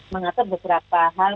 mengatur beberapa hal